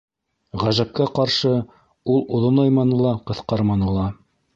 Ғәжәпкә ҡаршы, ул оҙонайманы ла, ҡыҫҡарманы ла.